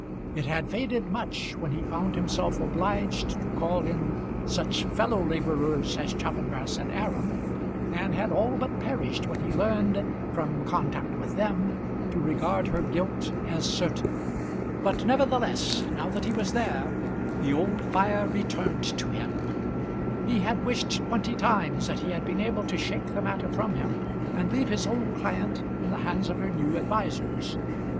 It had faded much when he found himself obliged to call in such fellow labourers as Chaffanbrass and Aram, and had all but perished when he learned from contact with them to regard her guilt as certain. But, nevertheless, now that he was there, the old fire returned to him. He had wished twenty times that he had been able to shake the matter from him and leave his old client in the hands of her new advisers.